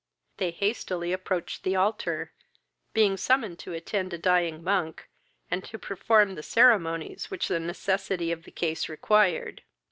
They hastily approached the altar, being summoned to attend a dying monk, and to perform the ceremonies which the necessity of the case required.